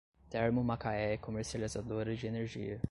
Termomacaé Comercializadora de Energia